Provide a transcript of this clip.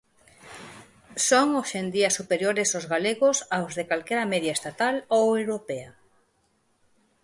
Son hoxe en día superiores os galegos aos de calquera media estatal ou europea.